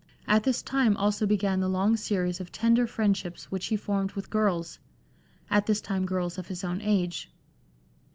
At this time also began the long series of tender friendships which he formed with girls — at this time girls of his own age.